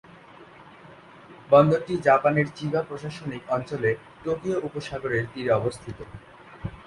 বন্দরটি জাপানের চিবা প্রশাসনিক অঞ্চলে টোকিও উপসাগরের তীরে অবস্থিত।